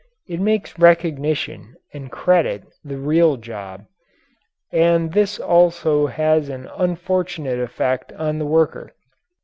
It makes recognition and credit the real job. And this also has an unfortunate effect on the worker.